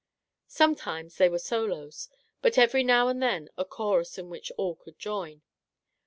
Sometimes there were solos, but every now and then a chorus in which all could join.